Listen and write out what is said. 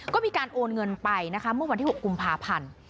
ก็มีการโอนเงินไปนะคะเมื่อวันที่๖กุมภาพันธ์